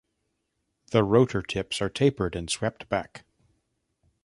The rotor tips are tapered and swept back.